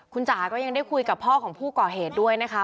คุณจ๋าก็ยังได้คุยกับพ่อของผู้ก่อเหตุด้วยนะคะ